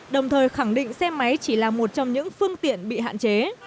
đồng thời khẳng định xe máy chỉ là một trong những phương tiện bị hạn chế